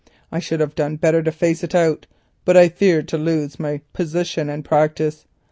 I should have done better to face it out, but I feared to lose my position and practice.